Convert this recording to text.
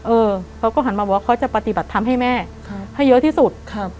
เอ่อเขาก็หันมาพอจะปฏิบัติทำให้แม่ให้เยอะที่สุด